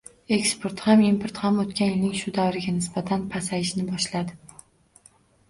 Eksport ham, import ham o'tgan yilning shu davriga nisbatan pasayishni boshladi